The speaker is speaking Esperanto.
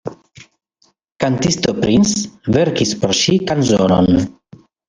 Kantisto Prince verkis por ŝi kanzonon.